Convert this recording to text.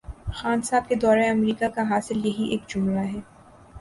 خان صاحب کے دورہ امریکہ کا حاصل یہی ایک جملہ ہے۔